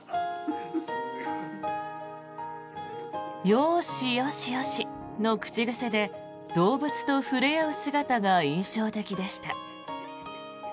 よーし、よしよしの口癖で動物と触れ合う姿が印象的でした。